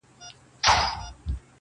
o د خواست کړي آس غاښ مه گوره!